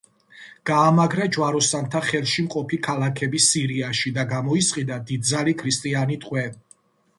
გაამაგრა ჯვაროსანთა ხელში მყოფი ქალაქები სირიაში და გამოისყიდა დიდძალი ქრისტიანი ტყვე.